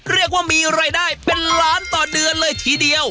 เรียกว่ามีรายได้เป็นล้านต่อเดือนเลยทีเดียว